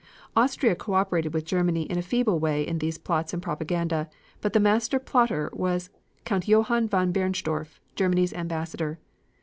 Austria co operated with Germany in a feeble way in these plots and propaganda, but the master plotter was Count Johann von Bernstorff, Germany's Ambassador.